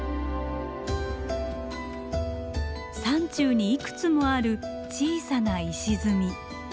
山中にいくつもある小さな石積み。